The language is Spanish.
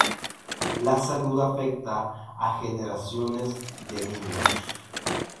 La salud afecta a generaciones de niños.